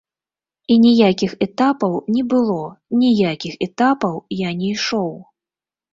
І ніякіх этапаў не было, ніякіх этапаў я не ішоў.